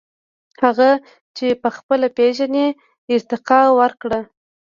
• هغه چې خپله پېژنې، ارتقاء ورکړه.